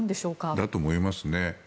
だと思いますね。